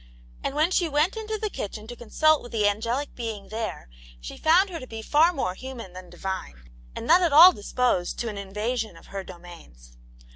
And when she went into the kitchen to consult with the angelic being there, she found her to be far more human than divine, and not at all disposed to an invasion of her domains.